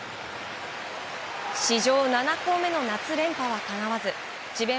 史上７校目の夏連覇はかなわず智弁